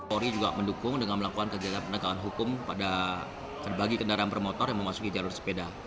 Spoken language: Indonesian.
polri juga mendukung dengan melakukan kegiatan penegakan hukum pada bagi kendaraan bermotor yang memasuki jalur sepeda